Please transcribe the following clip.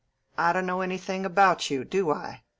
I don't know anything about you, do I?